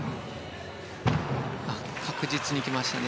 確実に来ましたね。